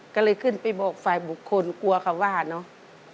ก็เลยขึ้นไปบอกฝ่ายบุคคลกลัวเขาว่าเนอะ